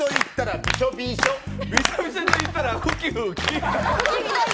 びしょびしょといったらふきふき。